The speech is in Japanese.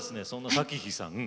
咲妃さんが。